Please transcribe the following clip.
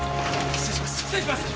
失礼します。